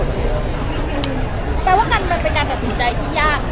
แปลว่ามันเป็นการตัดสินใจที่ยาก